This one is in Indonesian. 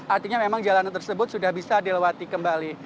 artinya memang jalan tersebut sudah bisa dilewati kembali